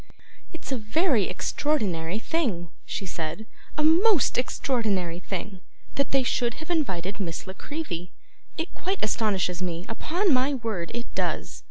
'It's a very extraordinary thing,' she said, 'a most extraordinary thing, that they should have invited Miss La Creevy. It quite astonishes me, upon my word it does.